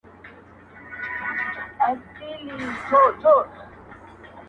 خدایه څه په سره اهاړ کي انتظار د مسافر یم!!